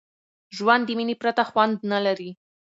ژوند د میني پرته خوند نه لري.